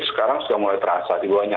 sekarang sudah mulai terasa di banyak